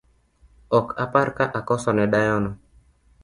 Okapar ka akoso ne dayono